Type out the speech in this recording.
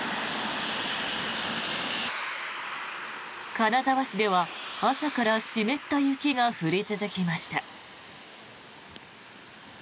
金沢市では朝から湿った雪が降り続きました。